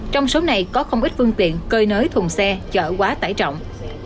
trong số này có không ít phương tiện cơi nới thùng xe chở quá tải trọng